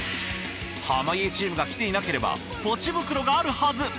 濱家チームが来ていなければポチ袋があるはず。